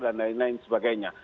dan lain lain sebagainya